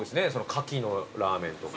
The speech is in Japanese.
カキのラーメンとか。